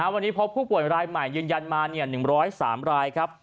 วันนี้พบผู้ป่วยรายใหม่ยืนยันมา๑๐๓รายครับ